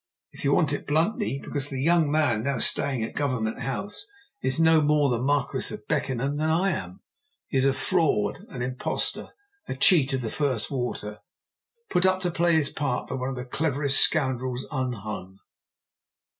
"If you want it bluntly, because the young man now staying at Government House is no more the Marquis of Beckenham than I am. He is a fraud, an impostor, a cheat of the first water, put up to play his part by one of the cleverest scoundrels unhung."